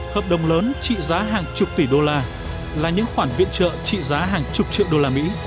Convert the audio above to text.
hợp đồng lớn trị giá hàng chục tỷ đô la là những khoản viện trợ trị giá hàng chục triệu đô la mỹ